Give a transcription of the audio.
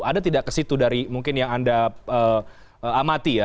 ada tidak ke situ dari mungkin yang anda amati ya